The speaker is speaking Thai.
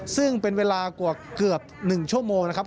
ซึ่งเป็นเวลากว่าเกือบ๑ชั่วโมงนะครับ